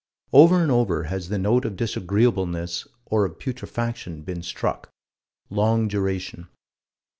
Over and over has the note of disagreeableness, or of putrefaction, been struck long duration.